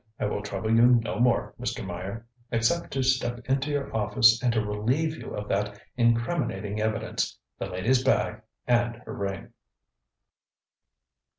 I will trouble you no more, Mr. Meyer, except to step into your office and to relieve you of that incriminating evidence, the lady's bag and her ring.